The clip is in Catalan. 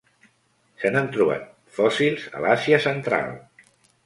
Se n'han trobat fòssils a Àsia central.